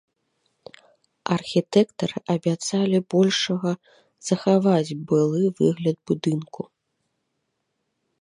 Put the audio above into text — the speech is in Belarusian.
Архітэктары абяцалі большага захаваць былы выгляд будынку.